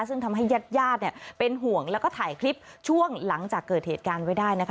ซึ่งทำให้ญาติญาติเป็นห่วงแล้วก็ถ่ายคลิปช่วงหลังจากเกิดเหตุการณ์ไว้ได้นะคะ